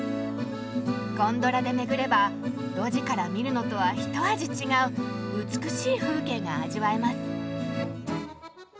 ゴンドラで巡れば路地から見るのとはひと味違う美しい風景が味わえます。